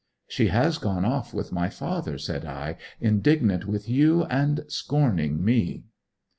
'She has gone off with my father,' said I; 'indignant with you, and scorning me.'